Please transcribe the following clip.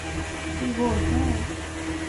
তুই বস, হ্যাঁ?